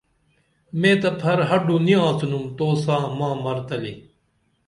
مے تہ پھر ہڈو نی آڅِنُم تو سا ماں مر تلی